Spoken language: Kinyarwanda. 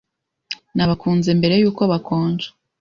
Nabakunze mbere yuko bakonja.